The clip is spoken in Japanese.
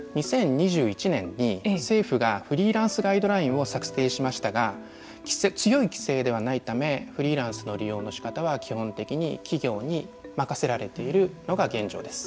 ２０２１年に政府がフリーランスガイドラインを作成しましたが強い規制ではないためフリーランスの利用のしかたは基本的に企業に任せられているのが現状です。